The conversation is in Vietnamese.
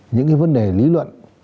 những cái vấn đề lý luận